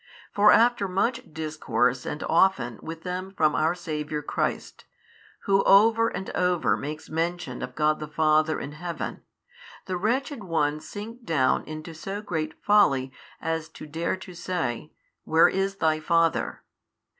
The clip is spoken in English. For after much discourse and often with them from our Saviour Christ, Who over and over makes mention of God the Father in Heaven, the wretched ones sink down into so great folly as to dare to say, Where is Thy Father?